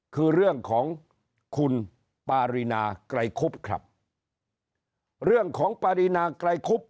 คือเรื่องของคุณปารีนาไกรคุบครับเรื่องของปารีนาไกรคุบ